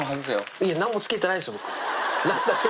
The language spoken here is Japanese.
いや、なんもつけてないですよ、僕。